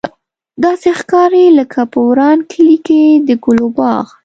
داسې ښکاري لکه په وران کلي کې د ګلو باغ.